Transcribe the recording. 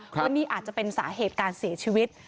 เพราะนี่อาจจะเป็นสาเหตุการเสียชีวิต